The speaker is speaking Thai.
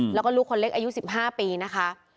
แล้วก็ลูกคนเล็กอายุ๑๕ปีนะคะ